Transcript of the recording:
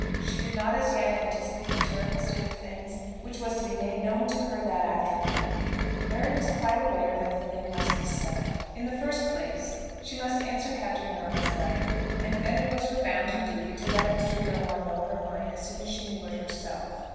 She did not as yet anticipate the terrible state of things which was to be made known to her that afternoon. Mary was quite aware that the thing must be settled. In the first place she must answer Captain Marrable's letter. And then it was her bounden duty to let Mr. Gilmore know her mind as soon as she knew it herself.